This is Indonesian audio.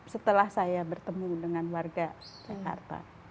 setelah saya bertemu dengan warga jakarta